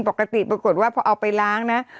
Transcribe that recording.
ปกติปรากฏว่าพอเอาไปล้างนะ